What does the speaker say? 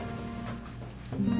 うん。